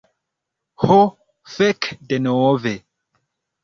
Ho fek' denove!